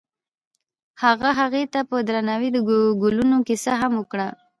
هغه هغې ته په درناوي د ګلونه کیسه هم وکړه.